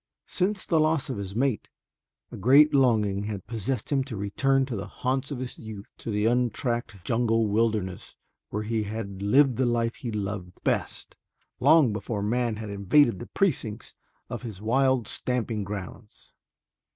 Since the loss of his mate, a great longing had possessed him to return to the haunts of his youth to the untracked jungle wilderness where he had lived the life he loved best long before man had invaded the precincts of his wild stamping grounds.